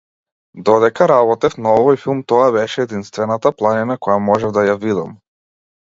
Додека работев на овој филм тоа беше единствената планина која можев да ја видам.